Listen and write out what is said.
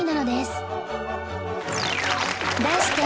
題して